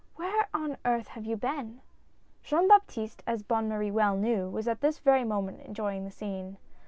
" Where on earth have you been ?" Jean Baptiste, as Bonne Marie well knew, was at this very moment enjoying the scene.